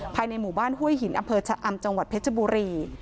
ภายในหมู่บ้านห้วยหินอำเภอชะอำจังหวัดเพชรบุรี